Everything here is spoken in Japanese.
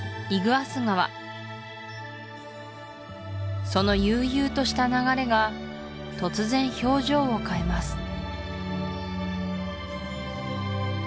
イグアス川その悠々とした流れが突然表情を変えます